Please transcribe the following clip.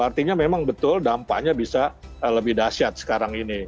artinya memang betul dampaknya bisa lebih dahsyat sekarang ini